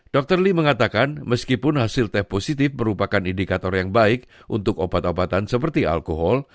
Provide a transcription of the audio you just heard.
dr lee mengatakan meskipun hasil tes positif merupakan indikator yang baik untuk obat obatan seperti alkohol